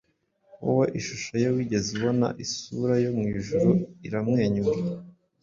Wowe Ishusho ye wigeze ubona, Isura yo mwijuru iramwenyura!